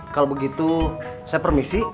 kalau begitu saya permisi